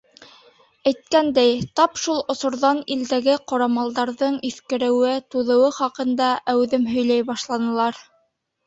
Әйткәндәй, тап шул осорҙан илдәге ҡорамалдарҙың иҫкереүе, туҙыуы хаҡында әүҙем һөйләй башланылар.